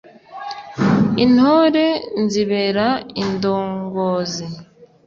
intore nzibera indongozi